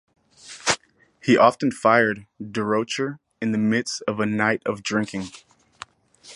He often fired Durocher in the midst of a night of drinking.